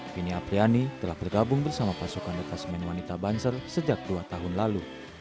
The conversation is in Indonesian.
vini apriyani telah bergabung bersama pasukan retas main wanita banser sejak dua tahun lalu